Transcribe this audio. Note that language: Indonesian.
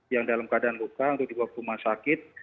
yang dalam keadaan luka untuk dibuat rumah sakit